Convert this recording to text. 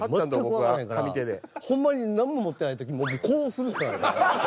ホンマになんも持ってない時もうこうするしかない。